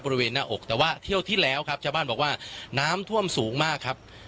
บริเวณหน้าอกแต่ว่าเที่ยวที่แล้วครับชาวบ้านบอกว่าน้ำท่วมสูงมากครับ